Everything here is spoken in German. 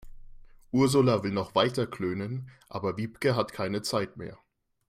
Ursula will noch weiter klönen, aber Wiebke hat keine Zeit mehr.